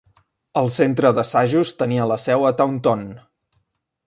El centre d'assajos tenia la seu a Taunton.